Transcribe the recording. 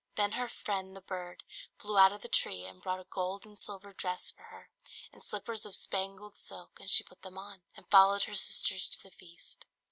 Then her friend the bird flew out of the tree and brought a gold and silver dress for her, and slippers of spangled silk; and she put them on, and followed her sisters to the feast.